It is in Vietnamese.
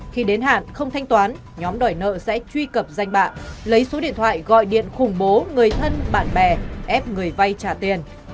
khi đến hạn không thanh toán nhóm đòi nợ sẽ truy cập danh bạ lấy số điện thoại gọi điện khủng bố người thân bạn bè ép người vay trả tiền